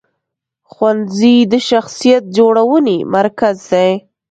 ښوونځی د شخصیت جوړونې مرکز دی.